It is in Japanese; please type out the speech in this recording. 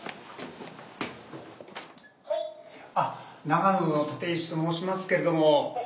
長野の立石と申しますけれども。